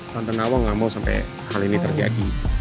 tante nawang gak mau sampai hal ini terjadi